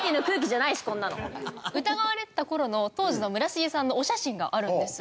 疑われてた頃の当時の村重さんのお写真があるんです。